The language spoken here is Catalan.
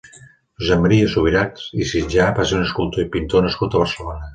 Josep Maria Subirachs i Sitjar va ser un escultor i pintor nascut a Barcelona.